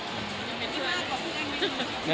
มีคนที่เป็นเพื่อนกันไหม